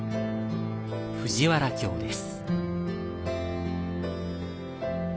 藤原京です。